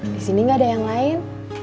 disini gak ada yang lain